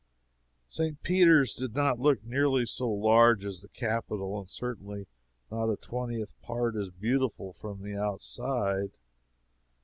St. Peter's did not look nearly so large as the capitol, and certainly not a twentieth part as beautiful, from the outside.